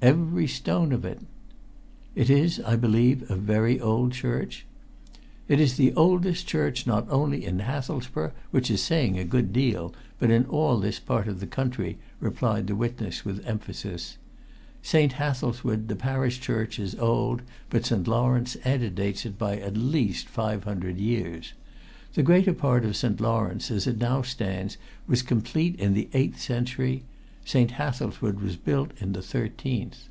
"Every stone of it!" "It is, I believe, a very old church?" "It is the oldest church, not only in Hathelsborough, which is saying a good deal, but in all this part of the county," replied the witness with emphasis. "St. Hathelswide, the parish church, is old, but St. Lawrence ante dates it by at least five hundred years. The greater part of St. Lawrence, as it now stands, was complete in the eighth century: St. Hathelswide was built in the thirteenth."